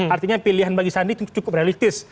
artinya pilihan bagi sandi cukup realistis